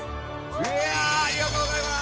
いやぁありがとうございます！